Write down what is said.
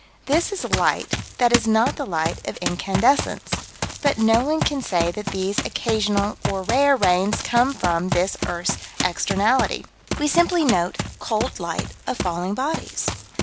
This is light that is not the light of incandescence, but no one can say that these occasional, or rare, rains come from this earth's externality. We simply note cold light of falling bodies.